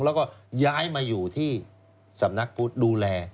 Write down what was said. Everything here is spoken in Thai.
แล้วก็ย้ายมาอยู่ที่สำนักพุทธดูแล